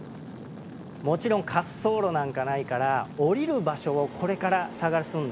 もちろん滑走路なんかないから降りる場所をこれから探すんです。